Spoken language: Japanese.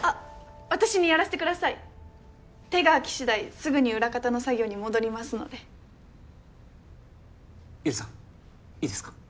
私にやらせてください手が空き次第すぐに裏方の作業に戻りますので百合さんいいですか？